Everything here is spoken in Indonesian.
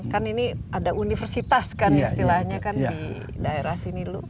kan ini ada universitas kan istilahnya kan di daerah sini